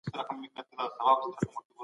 کوم اقتصاد چي پلان ونه لري هغه ژر له منځه ځي.